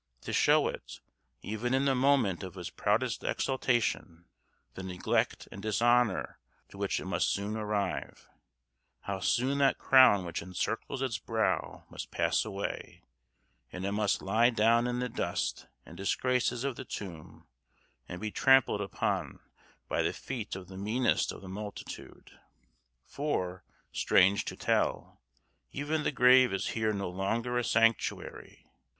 to show it, even in the moment of its proudest exaltation, the neglect and dishonor to which it must soon arrive how soon that crown which encircles its brow must pass away, and it must lie down in the dust and disgraces of the tomb, and be trampled upon by the feet of the meanest of the multitude. For, strange to tell, even the grave is here no longer a sanctuary.